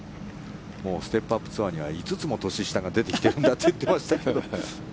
もうステップ・アップ・ツアーには５つも年下が出てきているんだと言ってましたけど。